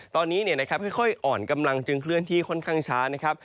ตอนนี้ค่อยอ่อนกำลังจึงเคลื่อนที่ค่อนข้างช้านะครับ